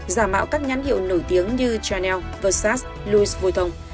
giả mạo các nhãn hiệu nổi tiếng như chanel versat louis vuitton